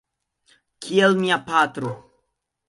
Kiel mia patro.